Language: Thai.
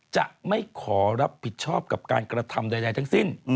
จะไม่ขอรับผิดชอบกับการกระทำใดทั้งสิ้น